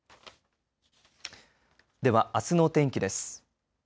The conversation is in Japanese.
では、あすの天気です。